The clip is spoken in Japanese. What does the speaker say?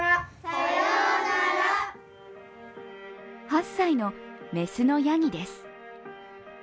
８歳の雌のやぎです。